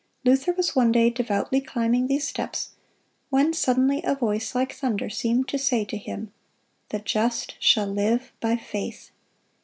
Luther was one day devoutly climbing these steps, when suddenly a voice like thunder seemed to say to him, "The just shall live by faith."